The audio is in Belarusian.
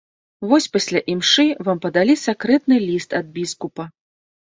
Вось пасля імшы вам падалі сакрэтны ліст ад біскупа.